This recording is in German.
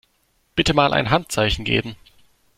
Bitte mal ein Handzeichen geben.